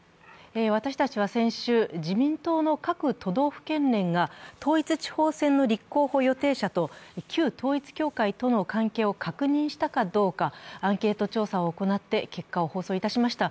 私たちは先週、自民党の各都道府県連が統一地方選の立候補予定者と旧統一教会との関係を確認したかどうかアンケート調査を行って結果を放送いたしました。